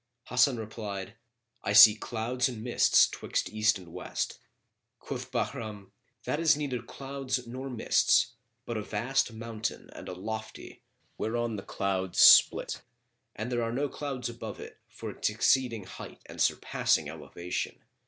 Hasan replied, "I see clouds and mists twixt east and west." Quoth Bahram, "That is neither clouds nor mists, but a vast mountain and a lofty whereon the clouds split,[FN#31] and there are no clouds above it, for its exceeding height and surpassing elevation.